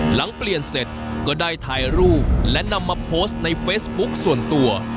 หลังเปลี่ยนเสร็จก็ได้ถ่ายรูปและนำมาโพสต์ในเฟซบุ๊กส่วนตัว